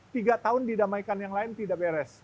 tiga tahun didamaikan yang lain tidak beres